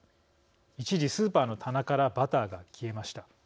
一時、スーパーの棚からバターが消えました。